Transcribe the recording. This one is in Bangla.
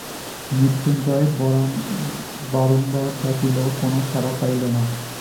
মৃত্যুঞ্জয় বারম্বার ডাকিল, কোনো সাড়া পাইল না।